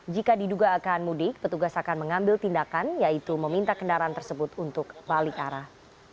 jika diduga akan mudik petugas akan mengambil tindakan yaitu meminta kendaraan tersebut untuk balik arah